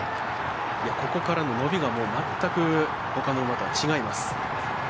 ここからの伸びが、全くほかの馬とは違います。